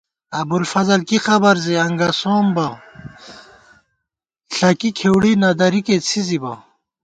ابُوالفضل کی خبر زی انگَسوم بہ، ݪکی کھېوڑی نہ درِکےڅھِزِبہ